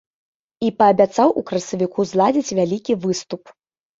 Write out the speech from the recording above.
І паабяцаў у красавіку зладзіць вялікі выступ.